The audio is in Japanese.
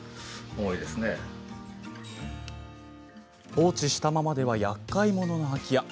放置したままではやっかいものの空き家。